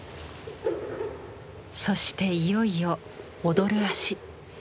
そしていよいよ「踊る足」。